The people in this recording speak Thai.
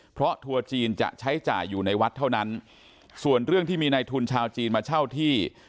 เพราะทัวร์จีนจะใช้จ่ายอยู่ในวัดเท่านั้นส่วนเรื่องที่มีในทุนชาวจีนมาเช่าที่